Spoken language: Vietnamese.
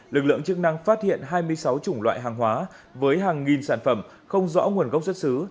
lực lượng chức năng phát hiện hai mươi sáu chủng loại hàng hóa với hàng nghìn sản phẩm không rõ nguồn gốc xuất xứ